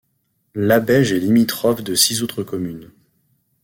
Labège est limitrophe de six autres communes.